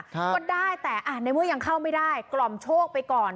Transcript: ก็ได้แต่อ่ะในเมื่อยังเข้าไม่ได้กล่อมโชคไปก่อน